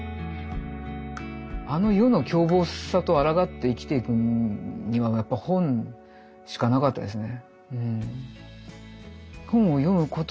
あの世の凶暴さとあらがって生きていくにはやっぱ本しかなかったですね。